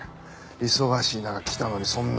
忙しい中来たのにそんな言い方。